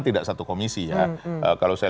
tidak satu komisi ya kalau saya